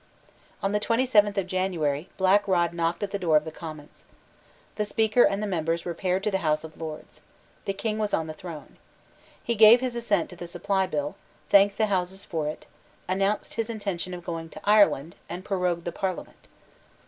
On the twenty seventh of January, Black Rod knocked at the door of the Commons. The Speaker and the members repaired to the House of Lords. The King was on the throne. He gave his assent to the Supply Bill, thanked the Houses for it, announced his intention of going to Ireland, and prorogued the Parliament.